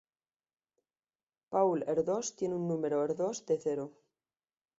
Paul Erdős tiene un número Erdős de cero.